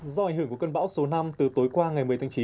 do ảnh hưởng của cơn bão số năm từ tối qua ngày một mươi tháng chín